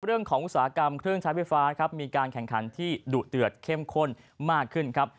อุตสาหกรรมเครื่องใช้ไฟฟ้าครับมีการแข่งขันที่ดุเดือดเข้มข้นมากขึ้นครับ